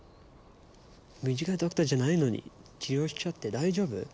ムジカドクターじゃないのに治療しちゃって大丈夫？